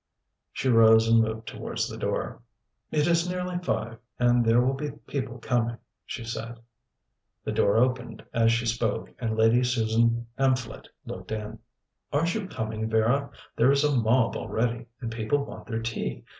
She rose and moved towards the door. "It is nearly five, and there will be people coming," she said. The door opened as she spoke, and Lady Susan Amphlett looked in. "Aren't you coming, Vera? There is a mob already, and people want their tea.